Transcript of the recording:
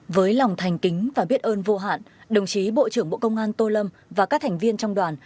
với lòng thành kính và biết ơn vô hạn đồng chí bộ trưởng bộ công an tô lâm và các thành viên trong đoàn